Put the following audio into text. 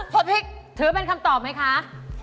ซอสพริกถือเป็นคำตอบมั้ยคะ